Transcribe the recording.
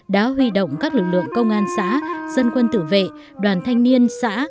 đã huy động các lực lượng công an xã dân quân tử vệ đoàn thanh niên xã